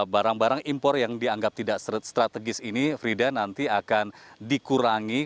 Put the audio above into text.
barang barang impor yang dianggap tidak strategis ini frida nanti akan dikurangi